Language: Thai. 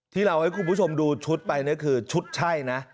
ที่เราให้คุณผู้ชมดูชุดไปนี่คือชุดใช่นะ